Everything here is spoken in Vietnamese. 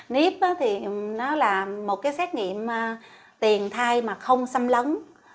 nif là một xét nghiệm tiền thai mà không xâm lấn